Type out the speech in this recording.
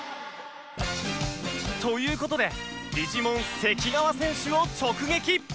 という事でフィジモン関川選手を直撃